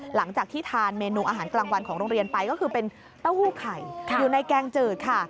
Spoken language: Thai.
หลังจากที่ทานเมนูอาหารกลางวันของโรงเรียนไปก็คือเป็นเต้าหู้ไข่อยู่ในแกงจืดค่ะ